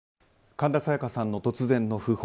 神田沙也加さんの突然の訃報。